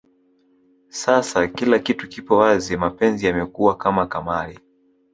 Sasa kila kitu kipo wazi mapenzi yamekuwa kama kamali